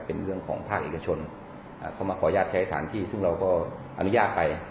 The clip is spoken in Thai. เป็นเรื่องของภาคเอกชนเข้ามาขออนุญาตใช้สถานที่ซึ่งเราก็อนุญาตไป